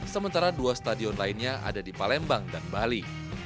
sementara dua stadion lainnya ada di palembang dan bali